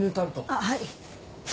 あっはい。